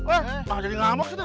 eh tak jadi ngamuk sih kan